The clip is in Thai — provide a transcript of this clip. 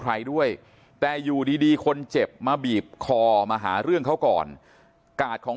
ใครด้วยแต่อยู่ดีดีคนเจ็บมาบีบคอมาหาเรื่องเขาก่อนกาดของ